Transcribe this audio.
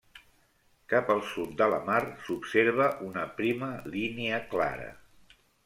Cap al sud de la mar s'observa una prima línia clara.